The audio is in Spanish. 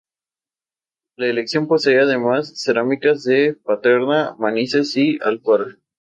La colección posee además cerámicas de Paterna, Manises y Alcora.